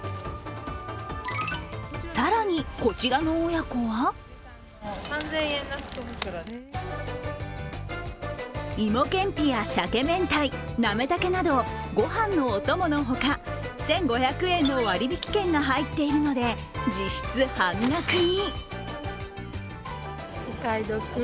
更にこちらの親子は芋けんぴやしゃけめんたい、なめたけなどご飯のおとものほか、１５００円の割引券が入っているので実質半額に。